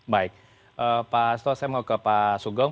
baik pak hasto saya mau ke pak sugong